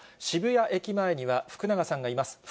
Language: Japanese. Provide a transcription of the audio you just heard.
渋谷駅前には福永さんがいます。